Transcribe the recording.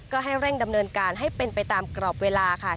ก็ให้เร่งดำเนินการให้เป็นไปตามกรอบเวลาค่ะ